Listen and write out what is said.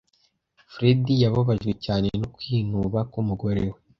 Fred yababajwe cyane no kwinuba k'umugore we.